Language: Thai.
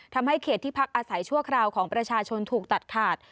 ทำให้เขตที่พักอาศัยชั่วคราวของประชาชนถูกตัดขาด